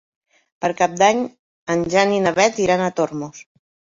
Per Cap d'Any en Jan i na Beth iran a Tormos.